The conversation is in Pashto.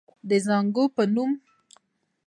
د زانګو پۀ نوم